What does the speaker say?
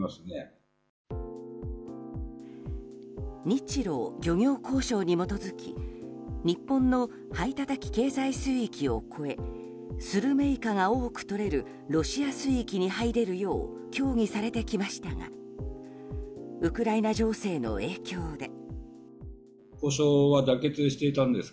日露漁業交渉に基づき日本の排他的経済水域を越えスルメイカが多くとれるロシア水域に入れるよう協議されてきましたがウクライナ情勢の影響で。